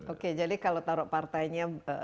oke jadi kalau taruh partainya